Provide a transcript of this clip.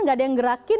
gak ada yang gerakin